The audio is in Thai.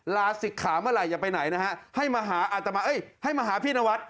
ลาศิกขาเมื่อไหอย่าไปไหนนะฮะให้มาหาอาตมาเอ้ยให้มาหาพี่นวัด